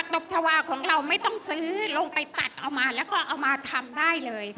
ผักตบชาวาของเราไม่ต้องซื้อลงไปตัดเอามาก็ทำได้เลย